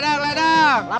ledang ledang ledang